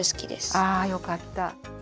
あよかった。